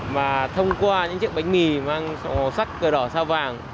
mà thông qua những chiếc bánh mì mang màu sắc cờ đỏ sao vàng